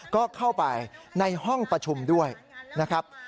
ก็เข้าไปในห้องประชุมด้วยนะครับ